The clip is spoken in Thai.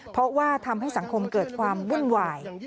เพราะว่าทำให้สังคมเกิดความวุ่นวาย